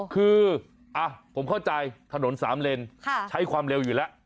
คือผมเข้าใจถนนสามเลนใช้ความเร็วอยู่แล้ว